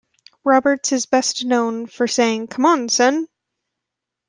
Roberts is best known for saying C'mon, son!